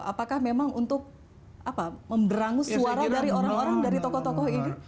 apakah memang untuk memberangus suara dari orang orang dari tokoh tokoh ini